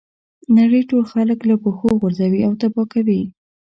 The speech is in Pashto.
نړۍ ټول خلک له پښو غورځوي او تباه کوي.